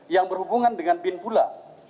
yang berhubungan dengan bin pula